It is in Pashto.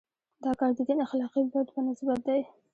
دا کار د دین اخلاقي بعد په نسبت دی.